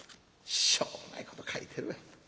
「しょうもないこと書いてるわ。